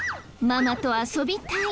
ママと遊びたい！